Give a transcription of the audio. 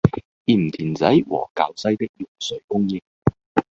鹽田仔和滘西的用水供應